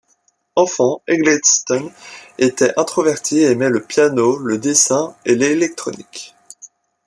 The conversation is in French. Enfant, Eggleston était introverti et aimait le piano, le dessin, et l’électronique.